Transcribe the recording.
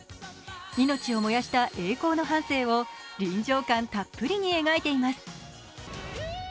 命を燃やした栄光の半生を臨場感たっぷりに描いています。